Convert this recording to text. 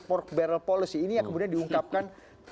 port barrel policy ini yang kemudian diungkapkan